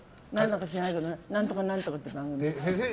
何とか何とかっていう番組。